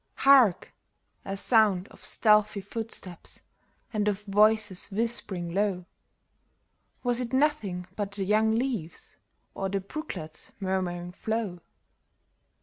Hark ! a sound of stealthy footsteps and of voices whispering low — Was it nothing but the young leaves, or the brooklet's mur muring flow